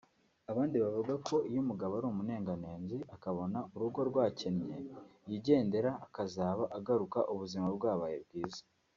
abandi bo bavuga ko iyo umugabo ari umunenganenzi akabona urugo rwakennye yigendera akazaba agaruka ubuzima bwabaye bwiza